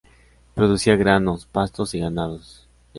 Producía granos, pastos y ganados.